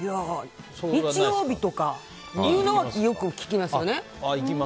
日曜日とかというのはよく聞きますよね。